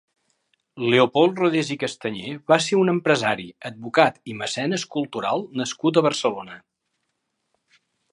Leopold Rodés i Castañé va ser un empresari, advocat i mecenes cultural nascut a Barcelona.